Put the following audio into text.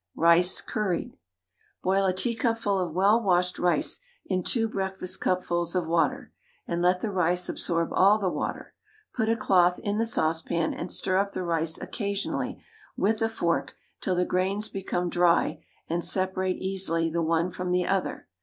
RICE, CURRIED. Boil a teacupful of well washed rice in two breakfastcupfuls of water, and let the rice absorb all the water; put a cloth in the saucepan, and stir up the rice occasionally with a fork till the grains become dry and separate easily the one from the other.